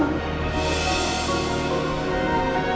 mama ngerti sekali